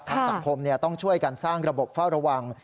สังคมต้องช่วยกันสร้างระบบเฝ้าระวัง